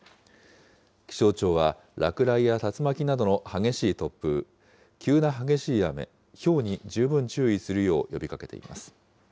気象庁は、落雷や竜巻などの激しい突風、急な激しい雨、ひょうに十分注意するよう呼びかけています。